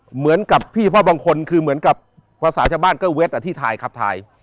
เหมือนกับพี่เพราะบางคนคือเหมือนกับภาษาชาวบ้านก็เว็บที่ถ่ายขับถ่าย